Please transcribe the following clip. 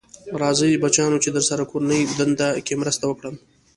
راځی بچیانو چې درسره کورنۍ دنده کې مرسته وکړم.